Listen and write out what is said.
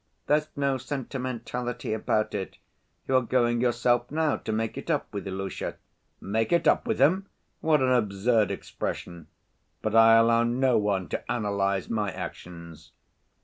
"There's no sentimentality about it. You are going yourself now to make it up with Ilusha." "Make it up with him? What an absurd expression! But I allow no one to analyze my actions."